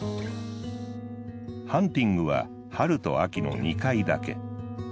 ハンティングは春と秋の２回だけ。